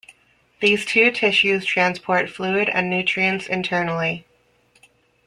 These two tissues transport fluid and nutrients internally.